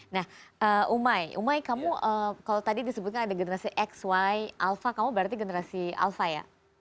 nah umai umai kamu kalau tadi disebutkan ada generasi xy alpha kamu berarti generasi alpha ya